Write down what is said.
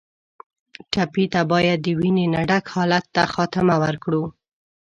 ټپي ته باید د وینې نه ډک حالت ته خاتمه ورکړو.